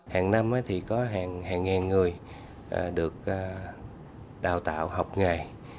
hàng năm thì có hàng ngàn người được đào tạo học nghề